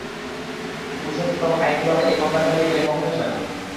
পুরুষোত্তম, আইনীভাবে এই মামলা চালিয়ে গেলে কখনই শেষ হবে না।